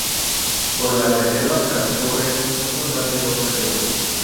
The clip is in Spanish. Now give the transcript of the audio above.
Por la reserva transcurren un total de doce ríos.